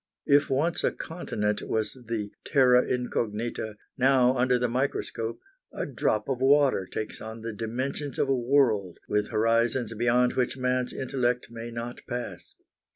If once a continent was the terra incognita, now, under the microscope, a drop of water takes on the dimensions of a world, with horizons beyond which man's intellect may not pass.